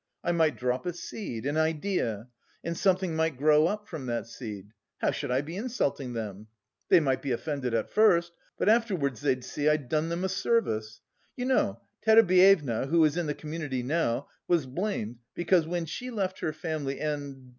I might drop a seed, an idea.... And something might grow up from that seed. How should I be insulting them? They might be offended at first, but afterwards they'd see I'd done them a service. You know, Terebyeva (who is in the community now) was blamed because when she left her family and...